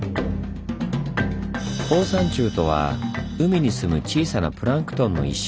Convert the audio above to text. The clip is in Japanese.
「放散虫」とは海に住む小さなプランクトンの一種。